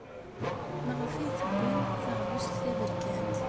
Maɣef ay d-tewwim taɣlust taberkant?